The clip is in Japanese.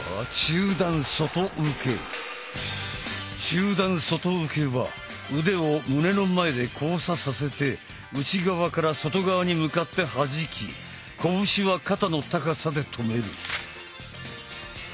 中段外受けは腕を胸の前で交差させて内側から外側に向かって弾き拳は肩の高さで止める。